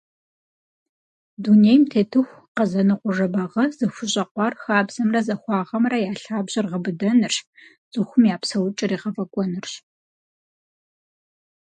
Дунейм тетыху, Къэзэнокъуэ Жэбагъы зыхущӏэкъуар хабзэмрэ захуагъэмрэ я лъабжьэр гъэбыдэнырщ, цӏыхум я псэукӏэр егъэфӏэкӏуэнырщ.